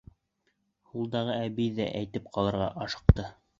Һулдағы әбей ҙә әйтеп ҡалырға ашыҡты: